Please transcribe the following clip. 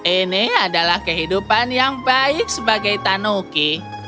ini adalah kehidupan yang baik sebagai tanoki